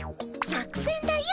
作戦だよ。